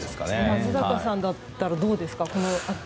松坂さんだったらどうですか？